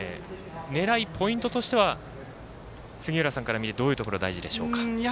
狙い、ポイントとしては杉浦さんから見てどういうところ大事でしょうか。